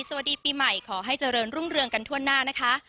สวัสดีปีใหม่ขอให้เจริญรุ่งเรืองกันทั่วหน้านะคะ